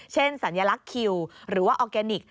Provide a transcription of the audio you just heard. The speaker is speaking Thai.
สัญลักษณ์คิวหรือว่าออร์แกนิค